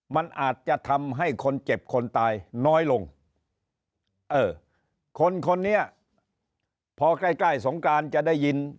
มันอาจจะทำให้คนเจ็บคนตายน้อยลงเออคนคนนี้พอใกล้ใกล้สงการจะได้ยิน